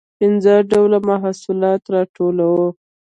پنځه ډوله محصولات راټولول.